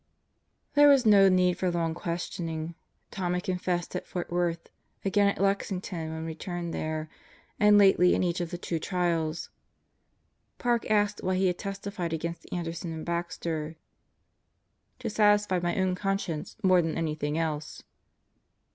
There was no need for long questioning, Tom had confessed at Fort Worth, again at Lexington when returned there, and lately in each of the two trials. Park asked why he had testified against Anderson and Baxter. "To satisfy my own conscience more than anything else."